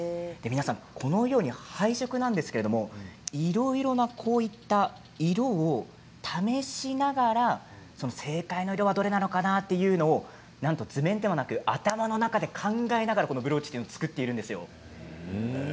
このように配色なんですけれどもいろいろな、こういった色を試しながら正解の色はどれなのかなというのをなんと図面ではなく頭の中で考えながらこのブローチを作っているんですよ。